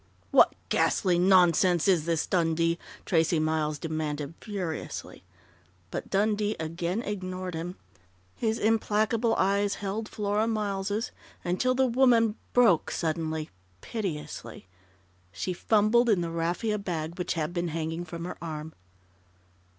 "What ghastly nonsense is this, Dundee?" Tracey Miles demanded furiously. But Dundee again ignored him. His implacable eyes held Flora Miles' until the woman broke suddenly, piteously. She fumbled in the raffia bag which had been hanging from her arm.